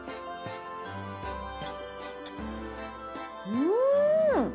うん！